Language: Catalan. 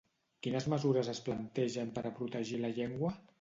Quines mesures es plantegen per a protegir la llengua?